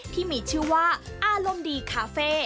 ที่มีชื่อว่าอารมณ์ดีคาเฟ่